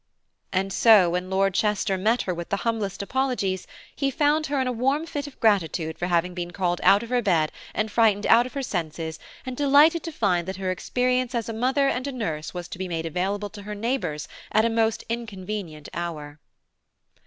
And so when Lord Chester met her with the humblest apologies, he found her in a warm fit of gratitude for having been called out of her bed and frightened out of her senses, and delighted to find that her experience as a mother and a nurse was to be made available to her neighbours at a most inconvenient hour.